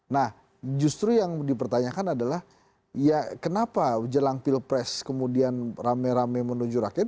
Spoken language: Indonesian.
nah justru yang dipertanyakan adalah ya kenapa jelang pilpres kemudian rame rame menuju rakyat